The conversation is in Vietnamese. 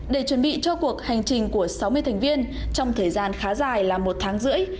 để chuẩn bị cho cuộc hành trình của sáu mươi thành viên trong thời gian khá dài là một tháng rưỡi